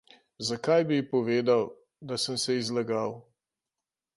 Zakaj bi ji povedal, da sem se ji zlagal?